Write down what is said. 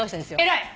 偉い！